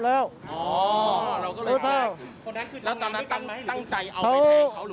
แล้วตอนนั้นตั้งใจเอาไปแทนเขาหรือเป็นไง